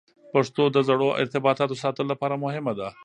پښتو د زړو ارتباطاتو ساتلو لپاره مهمه ده.